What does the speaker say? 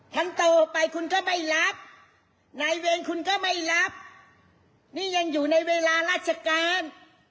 โตไปคุณก็ไม่รับนายเวรคุณก็ไม่รับนี่ยังอยู่ในเวลาราชการ